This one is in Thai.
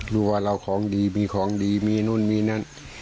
รู้ว่าเราของดีมีของดีมีนู่นมีนั่น